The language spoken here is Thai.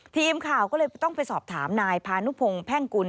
ทีมข่าวก็เลยต้องไปสอบถามนายพานุพงศ์แพ่งกุล